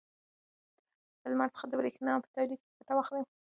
له لمر څخه د برېښنا په تولید کې ګټه واخلئ.